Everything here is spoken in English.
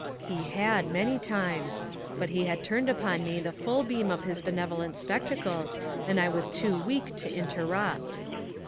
He had, many times. But he had turned upon me the full beam of his benevolent spectacles and I was too weak to interrupt.